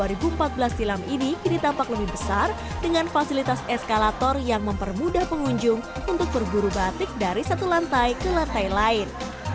dua ribu empat belas silam ini kini tampak lebih besar dengan fasilitas eskalator yang mempermudah pengunjung untuk berburu batik dari satu lantai ke lantai lain